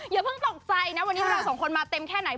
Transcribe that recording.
อย่าเพิ่งตกใจนะวันนี้เราสองคนมาเต็มแค่ไหน